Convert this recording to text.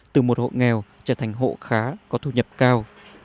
từ một hộ nghèo trở thành hộ khá có thu nhập cao